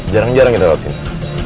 jarang jarang kita lewat sini